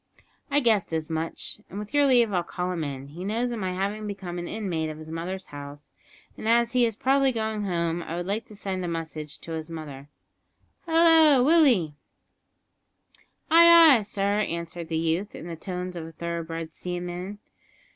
"I guessed as much, and with your leave I'll call him in. He knows of my having become an inmate of his mother's house, and as he is probably going home I would like to send a message to his mother. Hallo, Willie." "Ay, ay, sir!" answered the youth, in the tones of a thoroughbred seaman.